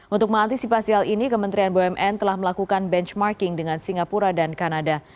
untuk mengantisipasi hal ini kementerian bumn telah melakukan benchmarking dengan singapura dan kanada